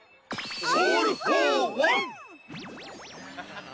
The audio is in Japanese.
オールフォーワン！